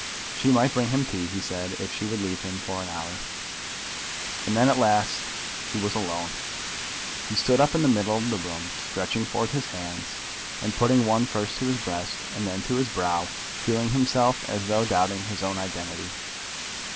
She might bring him tea, he said, if she would leave him for an hour. And then at last he was alone. He stood up in the middle of the room, stretching forth his hands, and putting one first to his breast and then to his brow, feeling himself as though doubting his own identity.